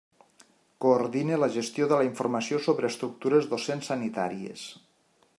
Coordina la gestió de la informació sobre estructures docents sanitàries.